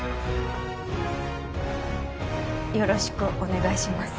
よろしくお願いします